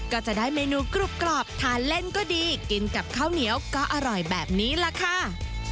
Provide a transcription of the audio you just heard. ก็จะได้เมนูกรุบกรอบทานเล่นก็ดีกินกับข้าวเหนียวก็อร่อยแบบนี้ล่ะค่ะ